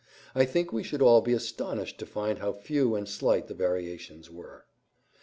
I think we should all be astonished to find how few and slight the variations were.